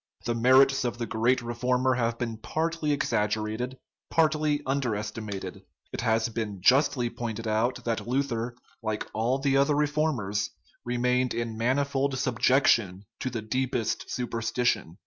The merits of the great re former have been partly exaggerated, partly underesti mated. It has been justly pointed out that Luther, like all the other reformers, remained in manifold subjection to the deepest superstition.